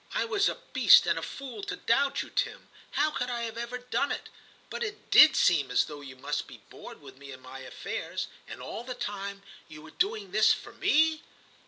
* I was a beast and a fool to doubt you, Tim. How could I ever have done it ? but it did seem as though you must be bored with me and my affairs. And all the time you were doing this for me